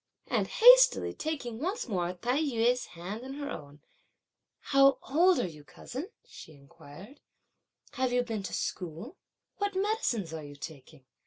And hastily taking once more Tai yü's hand in her own: "How old are you, cousin?" she inquired; "Have you been to school? What medicines are you taking?